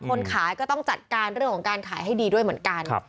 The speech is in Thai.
คนขายก็ต้องจัดการเรื่องของการขายให้ดีด้วยเหมือนกัน